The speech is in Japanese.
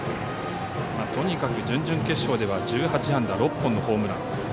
とにかく準々決勝では１８安打６本のホームラン。